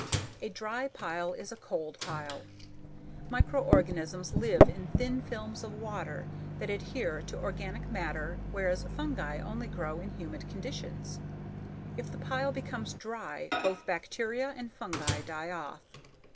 _A dry pile is a cold pile. Microorganisms live in thin films of water that adhere to organic matter whereas fungi only grow in humid conditions; if the pile becomes dry, both bacteria and fungi die off.